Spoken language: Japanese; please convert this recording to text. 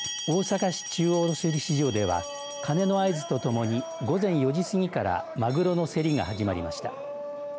大阪市中央卸売市場では鐘の合図とともに午前４時過ぎからマグロの競りが始まりました。